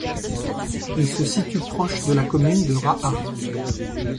Il se situe proche de la commune de Rahat.